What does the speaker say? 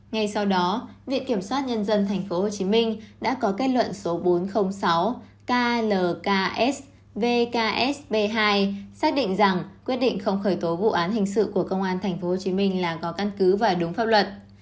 ngay sau đó viện kiểm sát nhân dân tp hcm đã có kết luận số bốn trăm linh sáu klksvksb hai xác định rằng quyết định không khởi tố vụ án hình sự của công an tp hcm là có căn cứ và đúng pháp luật